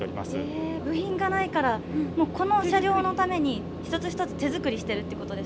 部品がないからこの車両のために一つ一つ手作りしてるってことですか？